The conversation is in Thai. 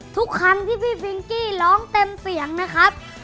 ทุกครั้งที่พี่ฟิงกี้ร้องเต็มเสียงนะครับ